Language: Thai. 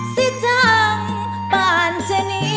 สิจังพรรชนิด